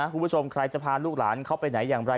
คุณผู้ชมใครจะพาลูกหลานเขาไปไหนอย่างไร